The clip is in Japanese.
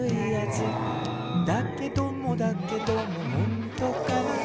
「だけどもだけどもほんとかな」